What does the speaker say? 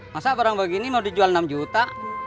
masa barang begini mau dijual enam juta